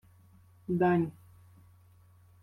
— Дань.